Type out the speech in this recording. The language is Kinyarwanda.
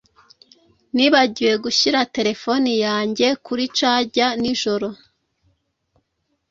Nibagiwe gushyira terefone yanjye kuri charger nijoro.